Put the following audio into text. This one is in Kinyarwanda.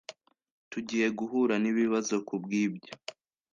Tugiye guhura nibibazo kubwibyo